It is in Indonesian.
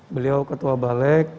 beliau ketua balek